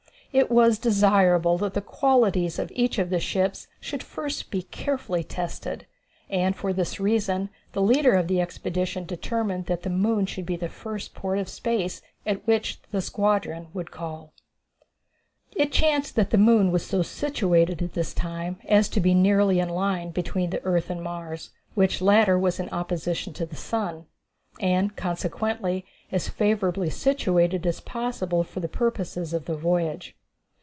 It was desirable that the qualities of each of the ships should first be carefully tested, and for this reason the leader of the expedition determined that the moon should be the first port of space at which the squadron would call. It chanced that the moon was so situated at this time as to be nearly in a line between the earth and Mars, which latter was in opposition to the sun, and consequently as favorably situated as possible for the purposes of the voyage.